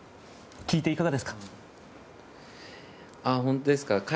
聞いていかがですか？